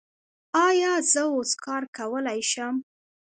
ایا زه اوس کار کولی شم؟